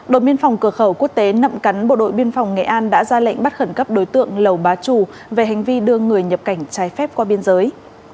đội biên phòng cửa khẩu quốc tế nậm cắn bộ đội biên phòng nghệ an đã ra lệnh bắt khẩn cấp đối tượng lầu bá trù về hành vi đưa người nhập cảnh trái phép qua biên giới